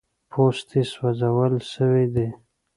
پوستې سوځول سوي دي.